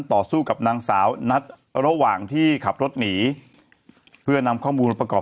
ต่อสู้กับนางสาวนัทระหว่างที่ขับรถหนีเพื่อนำข้อมูลมาประกอบ